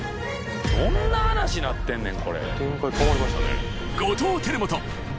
どんな話になってんねん。